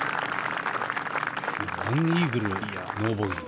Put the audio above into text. １イーグル、ノーボギー。